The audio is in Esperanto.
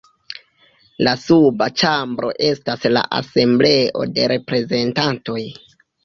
La suba ĉambro estas la Asembleo de Reprezentantoj.